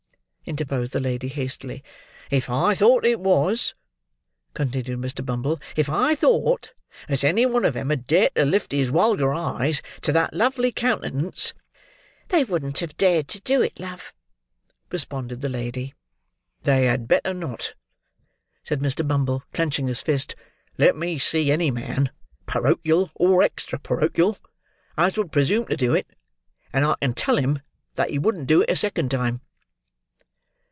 interposed the lady, hastily. "If I thought it was," continued Mr. Bumble; "if I thought as any one of 'em had dared to lift his wulgar eyes to that lovely countenance—" "They wouldn't have dared to do it, love," responded the lady. "They had better not!" said Mr. Bumble, clenching his fist. "Let me see any man, porochial or extra porochial, as would presume to do it; and I can tell him that he wouldn't do it a second time!"